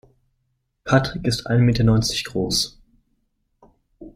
Patrick ist ein Meter neunzig groß.